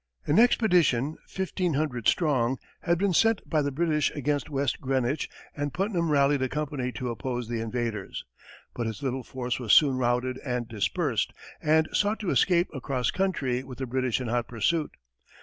An expedition, fifteen hundred strong, had been sent by the British against West Greenwich, and Putnam rallied a company to oppose the invaders, but his little force was soon routed and dispersed, and sought to escape across country with the British in hot pursuit.